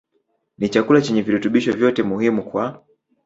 ni chakula chenye virutubisho vyote muhimu kwa